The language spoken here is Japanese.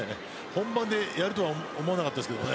本番でやるとは思わなかったですけどね。